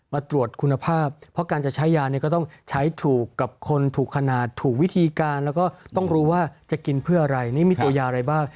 มาตรวจคุณภาพเพราะการจะใช้ยาเนี่ยก็ต้องใช้ถูกกับคนถูกขนาดถูกวิธีการแล้วก็ต้องรู้ว่าจะกินเพื่ออะไรนี่มีตัวยาอะไรบ้าง